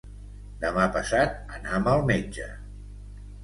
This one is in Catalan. Demà passat anam al metge.